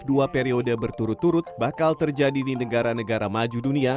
dua periode berturut turut bakal terjadi di negara negara maju dunia